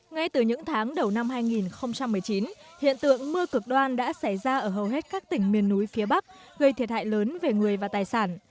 ngay từ những tháng đầu năm hai nghìn một mươi chín hiện tượng mưa cực đoan đã xảy ra ở hầu hết các tỉnh miền núi phía bắc gây thiệt hại lớn về người và tài sản